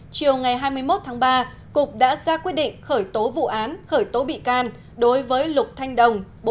chiều ngày hai mươi một tháng ba cục đã ra quyết định khởi tố vụ án khởi tố bị can đối với lục thanh đồng